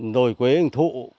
rồi quế anh thụ